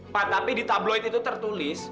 pak tapi di tabloid itu tertulis